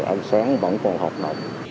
ăn sáng vẫn còn học nồng